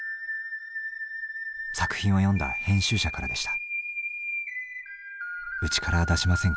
作品を読んだ編集者からでした。